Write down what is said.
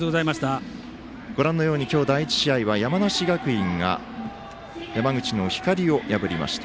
ご覧のように今日、第１試合は山梨学院が山口の光を破りました。